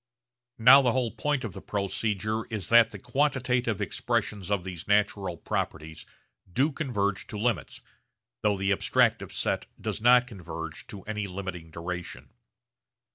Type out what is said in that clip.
Now the whole point of the procedure is that the quantitative expressions of these natural properties do converge to limits though the abstractive set does not converge to any limiting duration.